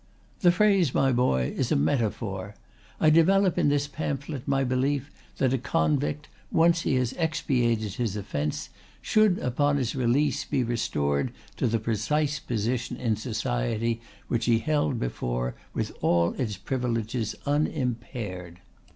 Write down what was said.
"The phrase, my boy, is a metaphor. I develop in this pamphlet my belief that a convict, once he has expiated his offence, should upon his release be restored to the precise position in society which he held before with all its privileges unimpaired."